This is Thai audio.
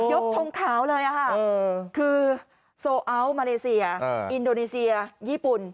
ทงขาวเลยค่ะคือโซอัลมาเลเซียอินโดนีเซียญี่ปุ่น